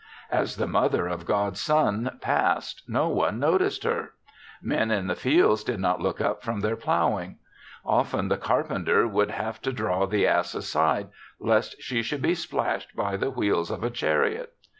As the mother of God's son passed, no one noticed hen Men in the fields did not look up from their ploughing. Often the carpenter would have to draw the ass aside, lest she should be splashed by the wheels of a chariot.